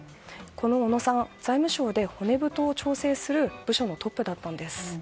この小野さんは財務省で骨太を調整する部署のトップだったんです。